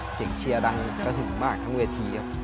เสียงเชียร์ดังก็ถึงมากทั้งเวทีครับ